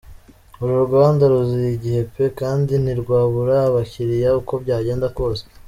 uru ruganda ruziye igihe pe kandi ntirwabura abakiliya uko byagenda kose.